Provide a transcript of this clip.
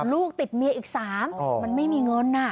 ลูกติดเมียอีก๓มันไม่มีเงิน